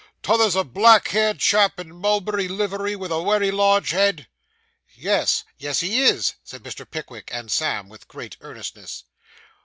'T' other's a black haired chap in mulberry livery, with a wery large head?' 'Yes, yes, he is,' said Mr. Pickwick and Sam, with great earnestness.